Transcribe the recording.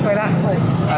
đi kiểm tra nồng độ cồn đi